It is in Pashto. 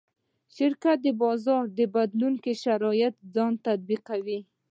شرکت د بازار په بدلېدونکو شرایطو ځان تطبیقوي.